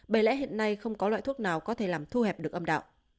bởi lẽ hiện nay không có loại thuốc nào có thể làm thu hẹp được âm đạo